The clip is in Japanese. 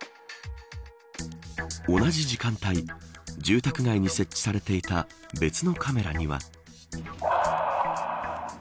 同じ時間帯住宅街に設置されていた別のカメラには。